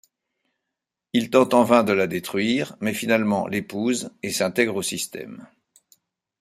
Il tente en vain de la détruire mais finalement l'épouse et s'intègre au système.